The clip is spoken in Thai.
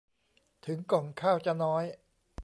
ถึงก่องข้าวจะน้อย